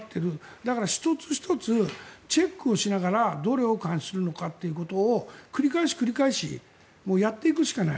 だから１つ１つチェックしながらどれを監視するのかということを繰り返し繰り返しやっていくしかない。